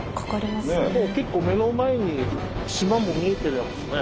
結構目の前に島も見えてるんですね。